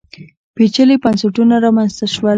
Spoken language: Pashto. پېچلي بنسټونه رامنځته شول